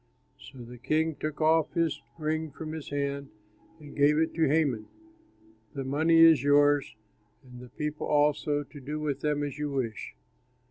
So the king took off his ring from his hand and gave it to Haman, "The money is yours and the people also to do with them as you wish."